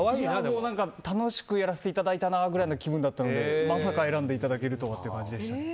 楽しくやらせていただいたなくらいの気分だったのでまさか選んでいただけるとはという感じでした。